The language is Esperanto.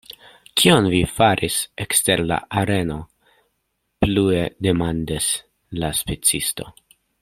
Kion vi faris ekster la areno? plue demandas la spicisto.